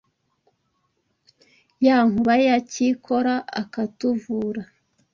Ya Nkuba ya Cyikora akatuvura